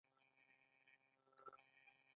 که ځمکې همداسې شاړې پاتې وای ګټه نه وه.